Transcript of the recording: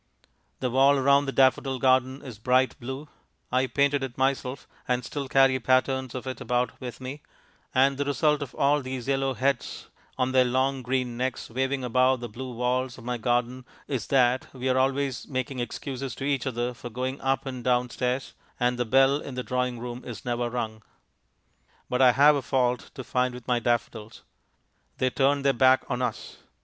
The wall round the daffodil garden is bright blue I painted it myself, and still carry patterns of it about with me and the result of all these yellow heads on their long green necks waving above the blue walls of my garden is that we are always making excuses to each other for going up and down stairs, and the bell in the drawing room is never rung. But I have a fault to find with my daffodils. They turn their backs on us.